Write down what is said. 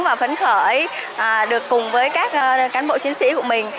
và phấn khởi được cùng với các cán bộ chiến sĩ của mình